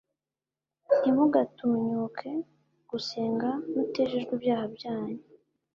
Ntimugatunyuke gusenga mutejejwe ibyaha byanyu